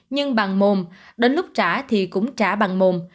nhưng bằng mồm đến lúc trả thì cũng trả bằng mồm